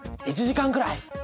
１時間くらい？